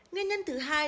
nguyên nhân thứ nhất